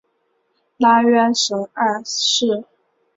拉约什二世。